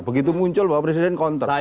begitu muncul bahwa presiden konter